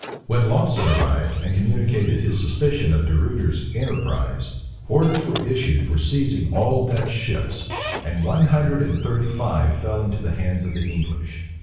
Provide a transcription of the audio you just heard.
When Lawson arrived, and communicated his suspicion of De Ruyter's enterprise, orders were issued for seizing all Dutch ships; and one hundred and thirty five fell into the hands of the English.